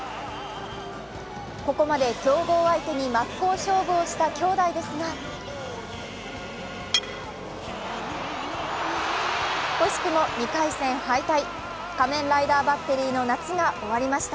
ここまで強豪相手に真っ向勝負をした兄弟ですが惜しくも２回戦敗退仮面ライダーバッテリーの夏が終わりました。